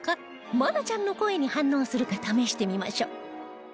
愛菜ちゃんの声に反応するか試してみましょう